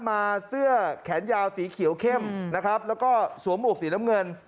มาเสื้อแขนยาวสีเขียวเข้มนะครับแล้วก็สวมหมวกสีน้ำเงิน